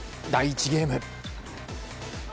第１ゲーム。